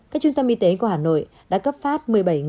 các trung tâm y tế của hà nội đã cấp phát một mươi bảy bảy trăm linh